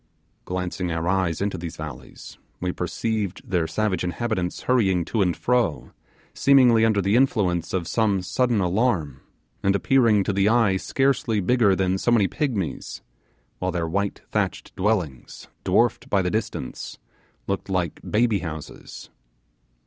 Glancing our eyes into these valleys, we perceived their savage inhabitants hurrying to and fro, seemingly under the influence of some sudden alarm, and appearing to the eye scarcely bigger than so many pigmies; while their white thatched dwellings, dwarfed by the distance, looked like baby houses.